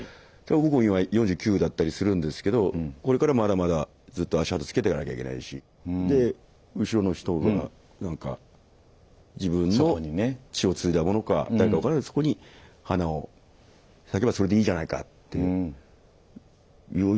僕も今４９だったりするんですけどこれからまだまだずっと足跡をつけていかなきゃいけないしで後ろの人が自分の血を継いだものか誰か分からないけれどそこに花を咲けばそれでいいじゃないかっていうような感覚ですかね。